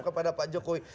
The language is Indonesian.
kepada pak jokowi